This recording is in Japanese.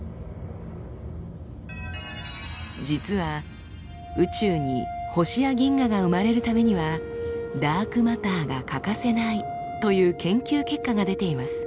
実は宇宙に星や銀河が生まれるためにはダークマターが欠かせないという研究結果が出ています。